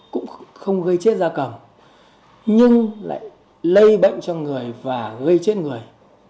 cũng không gây chết da cầm nhưng lại lây bệnh trong người và gây chết người